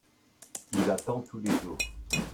il attend tous les jours.